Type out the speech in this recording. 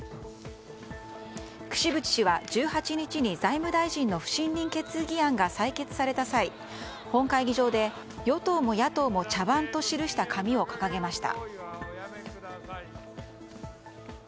櫛渕氏は１８日に財務大臣の不信任決議案が採決された際、本会議場で与党も野党も茶番と記した紙を掲げました。